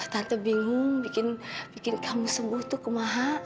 tante bingung bikin bikin kamu sembuh tuh kemahak